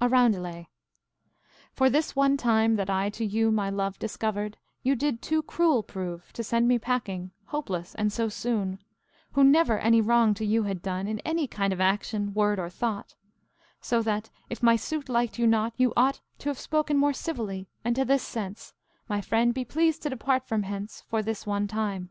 A Roundelay. For this one time, that I to you my love Discovered, you did too cruel prove, To send me packing, hopeless, and so soon, Who never any wrong to you had done, In any kind of action, word, or thought: So that, if my suit liked you not, you ought T' have spoke more civilly, and to this sense, My friend, be pleased to depart from hence, For this one time.